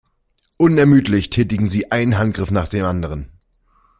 Unermüdlich tätigen sie einen Handgriff nach dem anderen.